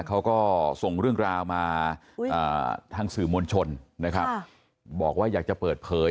เขาก็ส่งเรื่องราวมาทางสื่อมวลชนนะครับบอกว่าอยากจะเปิดเผย